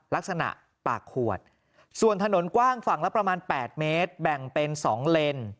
ลักษณะปากขวดส่วนถนนกว้างฝั่งละประมาณ๘เมตรแบ่งเป็น๒เลน